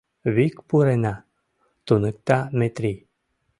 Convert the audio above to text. — Вик пурена, — туныкта Метрий.